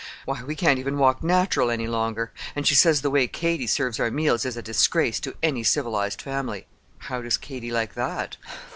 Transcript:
Why, we can't even walk natural any longer. An' she says the way Katy serves our meals is a disgrace to any civilized family." "How does Katy like that?"